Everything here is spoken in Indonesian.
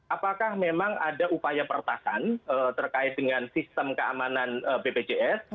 apakah memang ada upaya pertasan terkait dengan sistem keamanan bpjs